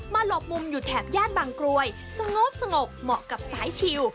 หลบมุมอยู่แถบย่านบางกรวยสงบเหมาะกับสายชิว